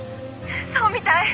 「そうみたい。